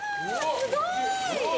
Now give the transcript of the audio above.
すごい！